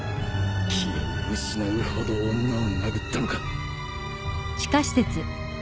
気を失うほど女を殴ったのか